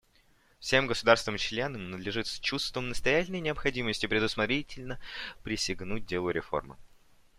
Всем государствам-членам надлежит с чувством настоятельной необходимости предусмотрительно присягнуть делу реформы.